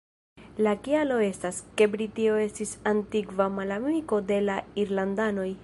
La kialo estas, ke Britio estis antikva malamiko de la irlandanoj.